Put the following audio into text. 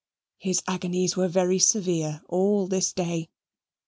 His agonies were very severe all this day.